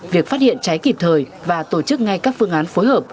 việc phát hiện cháy kịp thời và tổ chức ngay các phương án phối hợp